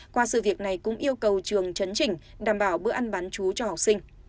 qua sự việc này cũng yêu cầu trường chấn chỉnh đảm bảo bữa ăn bán chú cho học sinh